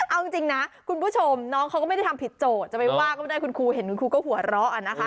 เอาจริงนะคุณผู้ชมน้องเขาก็ไม่ได้ทำผิดโจทย์จะไปว่าก็ไม่ได้คุณครูเห็นคุณครูก็หัวเราะนะคะ